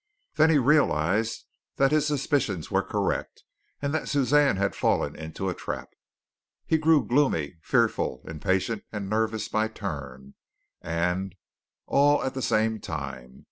Then he realized that his suspicions were correct and that Suzanne had fallen into a trap. He grew gloomy, fearful, impatient and nervous by turn, and all at the same time.